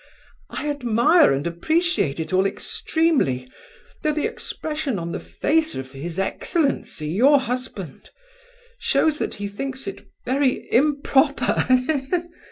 I admire and appreciate it all extremely, though the expression on the face of his excellency, your husband, shows that he thinks it very improper.